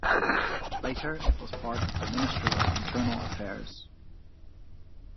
Later, it was part of the Ministry of Internal Affairs.